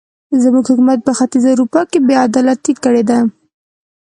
زموږ حکومت په ختیځه اروپا کې بې عدالتۍ کړې دي.